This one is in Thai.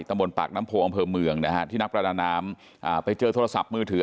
บนปากน้ำโพอำเภอเมืองนะฮะที่นักประดาน้ำไปเจอโทรศัพท์มือถือ